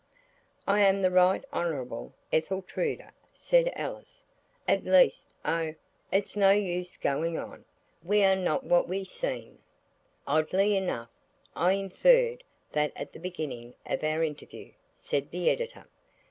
"I am the Right Honourable Etheltruda," said Alice. "At least–oh, it's no use going on. We are not what we seem." "Oddly enough, I inferred that at the very beginning of our interview," said the Editor.